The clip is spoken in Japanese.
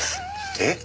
えっ？